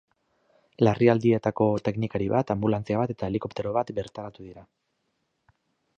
Larrialdietako teknikari bat, anbulantzia bat eta helikoptero bat bertaratu dira.